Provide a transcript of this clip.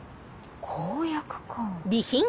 公約か。